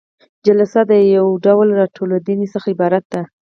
جلسه د یو ډول راټولیدنې څخه عبارت ده.